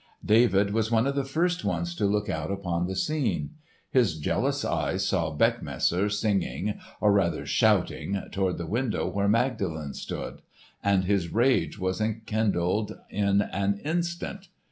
David was one of the first ones to look out upon the scene. His jealous eyes saw Beckmesser singing or rather shouting toward the window where Magdalen stood, and his rage was kindled in an instant.